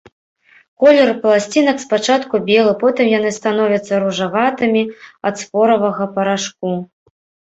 Колер пласцінак спачатку белы, потым яны становяцца ружаватымі ад споравага парашку.